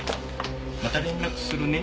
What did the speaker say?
また連絡するね。